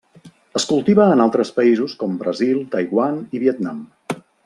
Es cultiva en altres països com Brasil, Taiwan, i Vietnam.